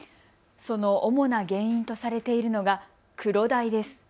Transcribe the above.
その主な原因とされているのがクロダイです。